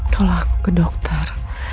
kalau aku ke dokter